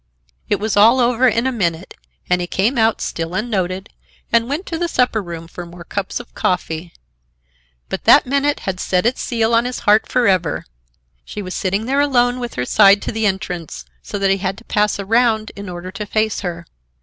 It was all over in a minute, and he came out, still unnoted, and went to the supper room for more cups of coffee. But that minute had set its seal on his heart for ever. She was sitting there alone with her side to the entrance, so that he had to pass around in order to face her.